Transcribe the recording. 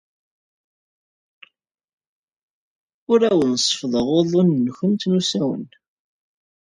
Ur awen-seffḍeɣ uḍḍunen-nwent n usawen.